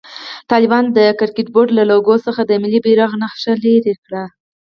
طالبانو د کرکټ بورډ له لوګو څخه د ملي بيرغ نخښه لېري کړه.